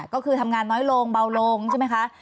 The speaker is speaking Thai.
ก็คือทำงานน้อยลงเบาลงใช่ไหมคะ